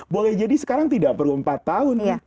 boleh jadi sekarang tidak perlu empat tahun